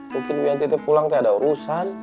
mungkin wianti pulang ada urusan